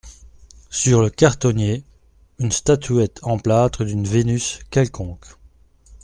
Sur le cartonnier, une statuette en plâtre d’une Vénus quelconque.